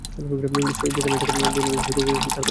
সে যেখানেই থাক, বোন এটাই শুনতে চায় যে, তার ভাই বেঁচে আছে।